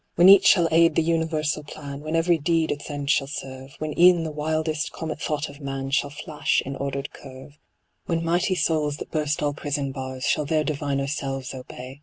When each shall aid the universal plan, AVhen every deed its end shall serve. When e'en the wildest comet thought of man Shall flash in ordered curve, When mighty souls, that burst all prison bars. Shall their diviner selves obey.